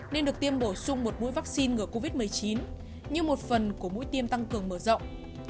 nên được tiêm bổ sung một mũi vaccine ngừa covid một mươi chín như một phần của mũi tiêm tăng cường mở rộng